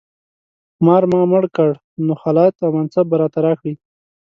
مار ما مړ کړی نو خلعت او منصب به راته راکړي.